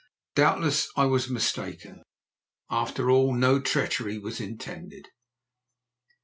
Doubtless I was mistaken. After all, no treachery was intended.